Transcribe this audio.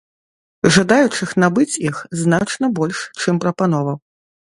Жадаючых набыць іх значна больш, чым прапановаў.